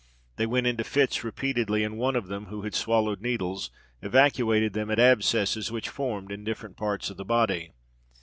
They went into fits repeatedly; and one of them, who had swallowed needles, evacuated them at abscesses, which formed in different parts of the body.